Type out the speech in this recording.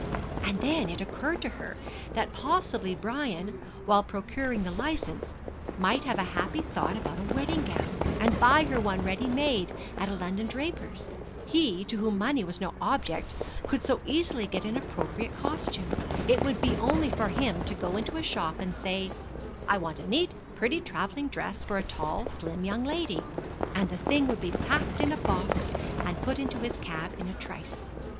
And then it occurred to her that possibly Brian, while procuring the licence, might have a happy thought about a wedding gown, and buy her one ready made at a London draper's. He, to whom money was no object, could so easily get an appropriate costume. It would be only for him to go into a shop and say, 'I want a neat, pretty travelling dress for a tall, slim young lady,' and the thing would be packed in a box and put into his cab in a trice.